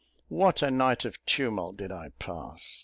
What a night of tumult did I pass!